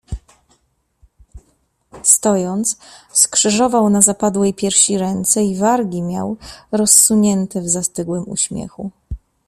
"Stojąc, skrzyżował na zapadłej piersi ręce i wargi miał rozsunięte w zastygłym uśmiechu."